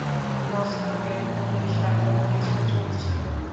মস্তকের খুলির সাথেও কিছু চুল ছিল।